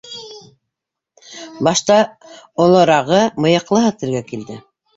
Башта олорағы, мыйыҡлыһы телгә килде: